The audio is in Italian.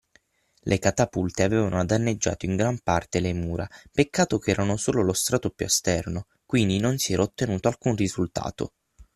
Le catapulte avevano danneggiato in gran parte le mura, peccato che erano solo lo strato più esterno, quindi non si era ottenuto alcun risultato.